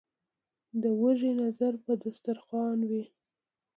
ـ د وږي نظر په دستر خوان وي.